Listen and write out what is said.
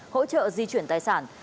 hỗ trợ di chuyển tài sản